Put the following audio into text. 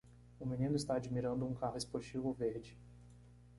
Um menino está admirando um carro esportivo verde.